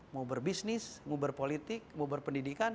mau berbisnis mau berpolitik mau berpendidikan